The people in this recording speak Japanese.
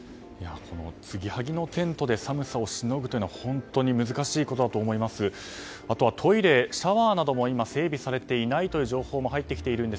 つぎはぎのテントで寒さをしのぐというのは本当に難しいことだと思います。